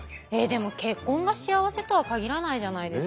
でも結婚が幸せとは限らないじゃないですか。